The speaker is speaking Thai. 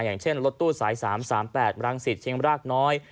อย่างเช่นรถตู้สาย๓๓๘รังสิตเชียงรากน้อย